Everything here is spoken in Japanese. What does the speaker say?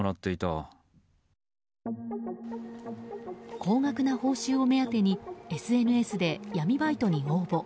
高額な報酬を目当てにＳＮＳで闇バイトに応募。